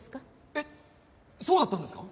えっそうだったんですか？